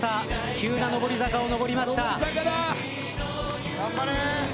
急な上り坂を上りました。